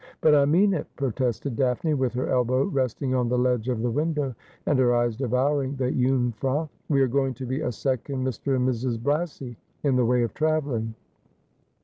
' But I mean it, protested Daphne, with her elbow resting on the ledge of the window, and her eyes devouring the J ung frau. ' We are going to be a second Mr. and Mrs. Brassey in the way of travelling.'